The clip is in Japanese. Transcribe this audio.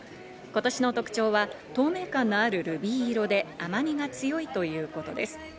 今年の特徴は透明感のあるルビー色で甘みが強いということです。